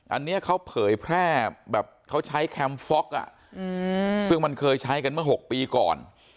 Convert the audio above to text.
อันนี้เขาเผยแพร่แบบเขาใช้แคมฟ็อกซ์ซึ่งมันเคยใช้กันเมื่อ๖ปีก่อน